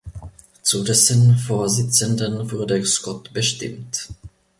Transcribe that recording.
Zu dessen Vorsitzenden wurde Scott bestimmt.